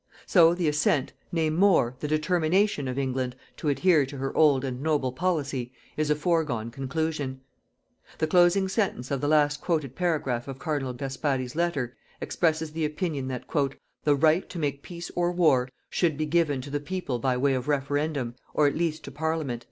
So, the assent, nay more, the determination of England to adhere to her old and noble policy, is a foregone conclusion. The closing sentence of the last quoted paragraph of Cardinal Gasparri's letter expresses the opinion that "the right to make peace or war should be given to the people by way of referendum, or at least to Parliament."